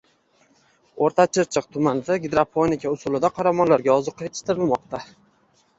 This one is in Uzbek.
O‘rta Chirchiq tumanida gidroponika usulda qoramollarga ozuqa yetishtirilmoqda